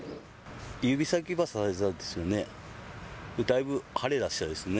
指先ば刺されたですよね。